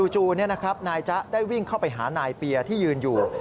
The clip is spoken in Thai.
จู่นี่นะครับนายจ๊ะได้วิ่งเข้าไปหานายเปียที่ยืนอยู่